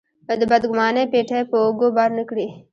د بدګمانۍ پېټی په اوږو بار نه کړي.